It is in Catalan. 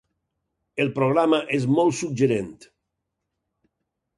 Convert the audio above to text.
El programa és molt suggerent.